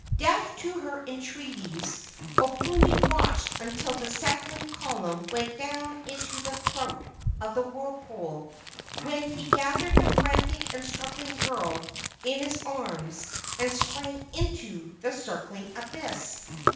Deaf to her entreaties, Oponui watched until the settling column went down into the throat of the whirlpool, when he gathered the frantic and struggling girl in his arms and sprang into the circling abyss.